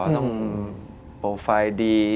ต้องโปรไฟล์ดี